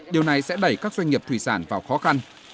điều này sẽ đẩy các doanh nghiệp thủy sản vào khó khăn